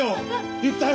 言ったよ！